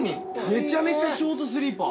めちゃめちゃショートスリーパー。